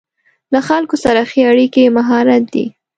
له خلکو سره ښه اړیکې مهارت دی.